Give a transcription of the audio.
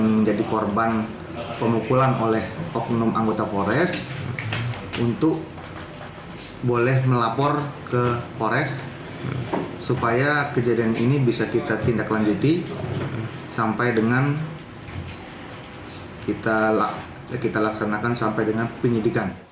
yang menjadi korban pemukulan oleh oknum anggota polres untuk boleh melapor ke polres supaya kejadian ini bisa kita tindak lanjuti sampai dengan kita laksanakan sampai dengan penyidikan